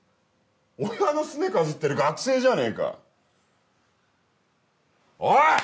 親のすねかじってる学生じゃねえかおい！